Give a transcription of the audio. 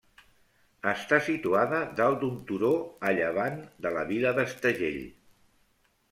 Està situada dalt d'un turó a llevant de la vila d'Estagell.